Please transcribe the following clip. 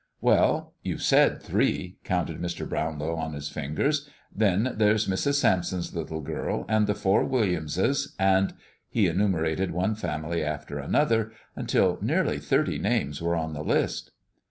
"Well, you've said three," counted Mr. Brownlow on his fingers. "Then there's Mrs. Sampson's little girl, and the four Williamses, and" he enumerated one family after another, till nearly thirty names were on the list.